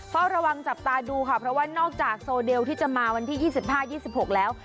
เฝ้าระวังจับตาดูค่ะเพราะว่านอกจากโซเดลที่จะมาวันที่๒๕๒๖แล้ว